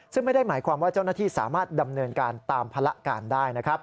ซึ่งไม่ได้หมายความว่าเจ้าหน้าที่สามารถดำเนินการตามภาระการได้นะครับ